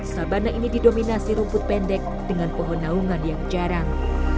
sabana ini didominasi rumput pendek dengan pohon naungan yang jarang